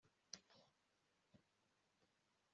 ibyo byaba ari umwuga